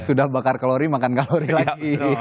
sudah bakar kalori makan kalori lagi